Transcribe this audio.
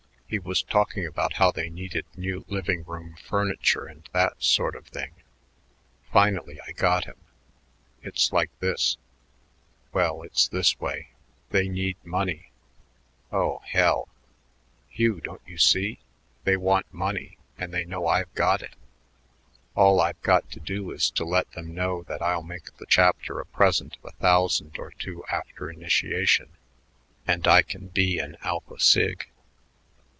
He was talking about how they needed new living room furniture and that sort of thing. Finally I got him. It's like this well, it's this way: they need money. Oh, hell! Hugh, don't you see? They want money and they know I've got it. All I've got to do is to let them know that I'll make the chapter a present of a thousand or two after initiation and I can be an Alpha Sig."